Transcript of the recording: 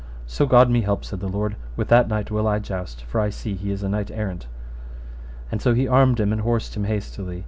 So God me help, said the lord, with that knight will I joust, for I see that he is a knight errant. And so he armed him and horsed him hastily.